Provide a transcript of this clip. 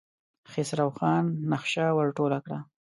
خسرو خان نخشه ور ټوله کړه.